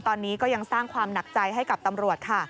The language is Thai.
ตอนนี้ก็ยังสร้างความหนักใจให้กับตำรวจค่ะ